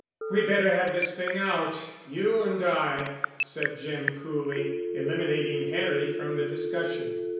"We'd better have this thing out—you and I," said Jim, coolly, eliminating Harry from the discussion.